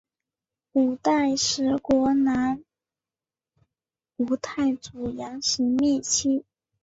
五代十国南吴太祖杨行密妻。